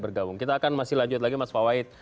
bergabung kita akan masih lanjut lagi mas fawait